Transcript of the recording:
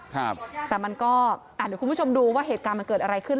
เดี๋ยวคุณผู้ชมดูว่าเหตุการณ์มันเกิดอะไรขึ้น